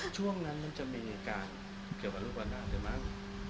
ช่วงนั้นมันจะมีการเกี่ยวกับลูกละนาดด้วยมั้ง